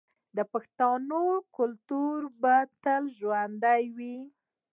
د پښتنو کلتور به تل ژوندی وي.